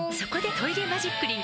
「トイレマジックリン」